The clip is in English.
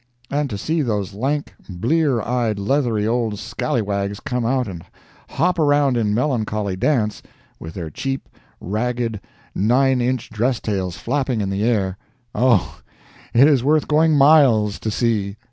And to see those lank, blear eyed leathery old scalliwags come out and hop around in melancholy dance, with their cheap, ragged, nine inch dress tails flapping in the air—Oh, it is worth going miles to see!